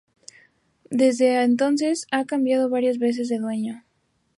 Desde entonces ha cambiado varias veces de dueño.